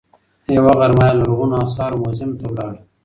یوه غرمه یې لرغونو اثارو موزیم ته لاړ.